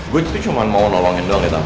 gue itu cuma mau nolongin doang ya tam ya